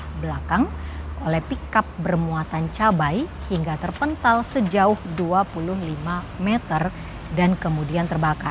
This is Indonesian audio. di belakang oleh pickup bermuatan cabai hingga terpental sejauh dua puluh lima meter dan kemudian terbakar